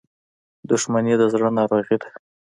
• دښمني د زړه ناروغي ده.